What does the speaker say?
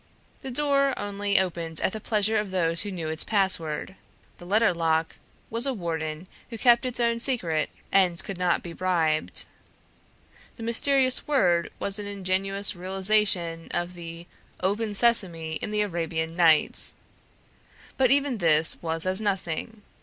The door only opened at the pleasure of those who knew its password. The letter lock was a warden who kept its own secret and could not be bribed; the mysterious word was an ingenious realization of the "Open sesame!" in the Arabian Nights. But even this was as nothing.